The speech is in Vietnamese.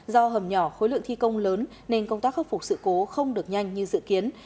do hầm nhỏ khối lượng thi công lớn nên công tác khắc phục sự cố không được nhanh như dự kiến